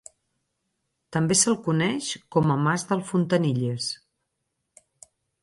També se'l coneix com a Mas del Fontanilles.